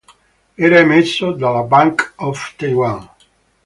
Era emesso dalla Bank of Taiwan.